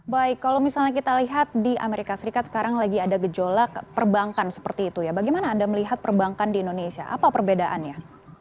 baik kalau misalnya kita lihat di amerika serikat sekarang lagi ada gejolak perbankan seperti itu ya bagaimana anda melihat perbankan di indonesia apa perbedaannya